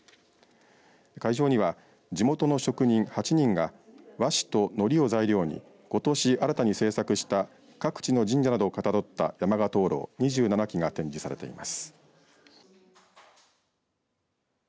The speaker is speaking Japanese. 会場には地元の職人８人が和紙と、のりを材料にことし新たに制作した各地の神社などをかたどった山鹿灯籠２７基が展示されています。